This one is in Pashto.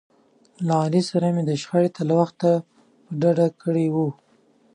له علي سره مې شخړې ته له وخته په ډډه کړي و.